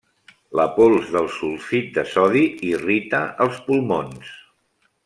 La pols del sulfit de sodi irrita els pulmons.